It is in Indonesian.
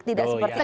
tidak seperti itu